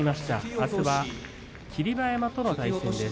あすは霧馬山との対戦です。